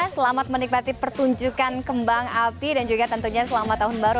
selamat menikmati pertunjukan kembang api dan juga tentunya selamat tahun baru